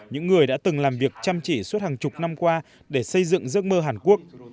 những người đã từng làm việc chăm chỉ suốt hàng chục năm qua để xây dựng giấc mơ hàn quốc